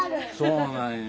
そうなんよ。